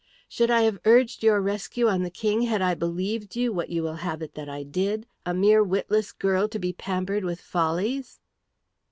"Should I have urged your rescue on the King had I believed you what you will have it that I did, a mere witless girl to be pampered with follies?"